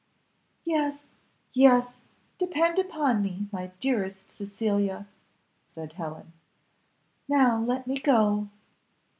"Yes, yes, depend upon me, my dearest Cecilia," said Helen; "now let me go."